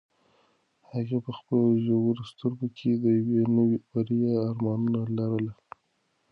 هغې په خپلو ژورو سترګو کې د یوې نوې بریا ارمانونه لرل.